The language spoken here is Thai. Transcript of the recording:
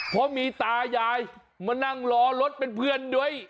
เพราะมีตายายมานั่งรอรถเป็นเพื่อนด้วย